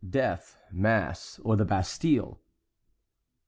DEATH, MASS, OR THE BASTILLE.